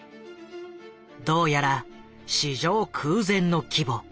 どうやら史上空前の規模